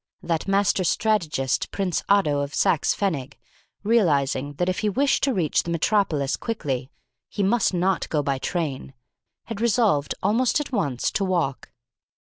That master strategist, Prince Otto of Saxe Pfennig, realising that if he wished to reach the Metropolis quickly he must not go by train, had resolved almost at once to walk.